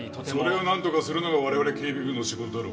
それをなんとかするのが我々警備部の仕事だろ。